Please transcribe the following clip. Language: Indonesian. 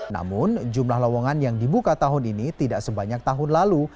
namun jumlah lowongan yang dibuka tahun ini tidak sebanyak tahun lalu